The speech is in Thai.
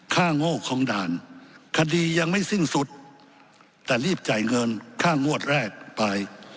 โง่ของด่านคดียังไม่สิ้นสุดแต่รีบจ่ายเงินค่างวดแรกไป